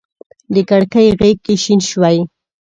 د کړکۍ غیږ کي شین شوی